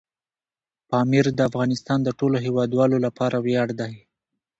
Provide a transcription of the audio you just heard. پامیر د افغانستان د ټولو هیوادوالو لپاره ویاړ دی.